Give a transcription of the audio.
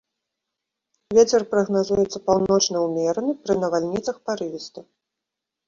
Вецер прагназуецца паўночны ўмераны, пры навальніцах парывісты.